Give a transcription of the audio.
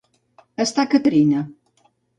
Estar que trina.